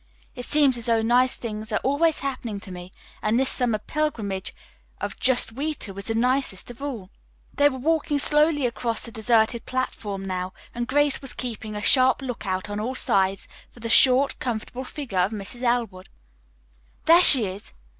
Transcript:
It seems as though nice things are always happening to me, and this summer pilgrimage of just we two is the nicest of all." They were walking slowly across the deserted platform now, and Grace was keeping a sharp look out on all sides for the short, comfortable figure of Mrs. Elwood. "There she is!"